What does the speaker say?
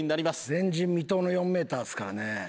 前人未到の４メーターですからね。